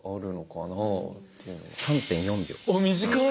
あっ短い！